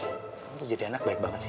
kamu tuh jadi anak baik banget sih